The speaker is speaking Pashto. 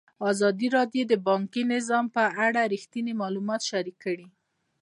ازادي راډیو د بانکي نظام په اړه رښتیني معلومات شریک کړي.